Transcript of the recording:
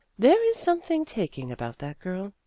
There is something taking about that girl.